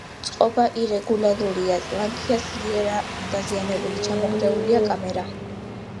წყობა ირეგულარულია, ტლანქია ძლიერაა დაზიანებული: ჩამონგრეულია კამარა.